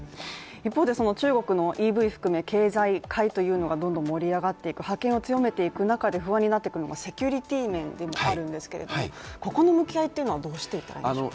一方で中国のＥＶを含め経済界がどんどん盛り上がっていく覇権を強めていく中で不安になっていくのがセキュリティ面というのがあるんですけれどもここの向き合いというのはどうしていったらいいんでしょう。